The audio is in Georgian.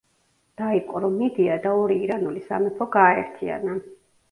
დაიპყრო მიდია და ორი ირანული სამეფო გააერთიანა.